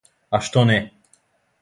А што не?